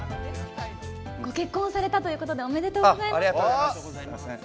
ご結婚されたということで、ありがとうございます。